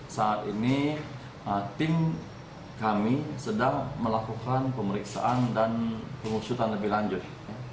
saat ini tim kami sedang melakukan pemeriksaan dan pengusutan lebih lanjut